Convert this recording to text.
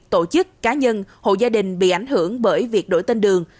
tổ chức cá nhân hộ gia đình bị ảnh hưởng bởi việc đổi tên đường